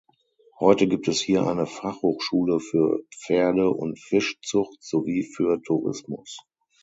Heute gibt es hier eine Fachhochschule für Pferde- und Fischzucht sowie für Tourismus.